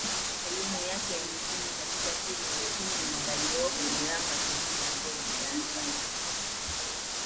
elimu yake ya msingi katika shule ya Msingi Mwangailiyopo Iramba Singida ambapo alianza